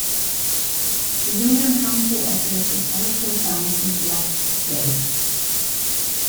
The Union Council Office is also found in Block J.